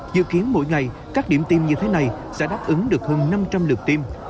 dự kiến mỗi ngày các điểm tiêm như thế này sẽ đáp ứng được hơn năm trăm linh lượt tiêm